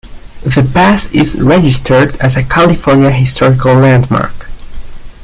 The pass is registered as a California Historical Landmark.